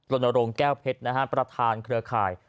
รณรงค์แก้วเพชรนะฮะประธานเครือข่าย